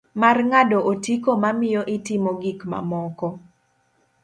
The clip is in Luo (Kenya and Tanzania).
Mar ng'ado otiko ma miyo itimo gik mamoko.